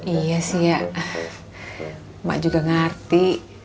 iya sih ya mak juga ngerti